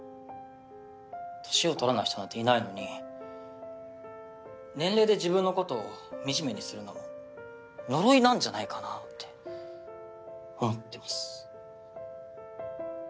年を取らない人なんていないのに年齢で自分のことをみじめにするのも呪いなんじゃないかなって思ってます。